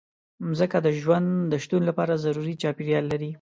مځکه د ژوند د شتون لپاره ضروري چاپېریال لري.